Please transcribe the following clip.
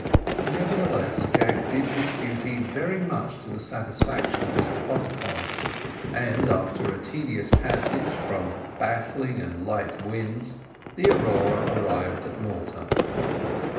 Nevertheless, Jack did his duty very much to the satisfaction of Mr Pottyfar; and after a tedious passage, from baffling and light winds, the Aurora arrived at Malta.